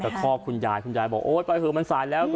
ไปตะครอบคุณยายคุณยายบอกโอ๊ยไปเถอะมันสายแล้ว